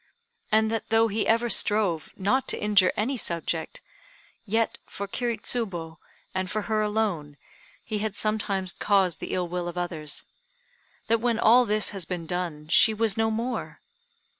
And that though he ever strove not to injure any subject, yet for Kiri Tsubo, and for her alone, he had sometimes caused the ill will of others; that when all this has been done, she was no more!